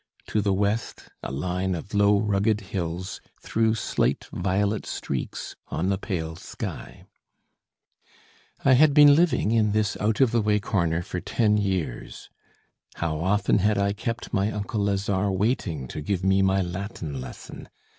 To the west, a line of low rugged hills threw slight violet streaks on the pale sky. I had been living in this out of the way corner for ten years. How often had I kept my uncle Lazare waiting to give me my Latin lesson!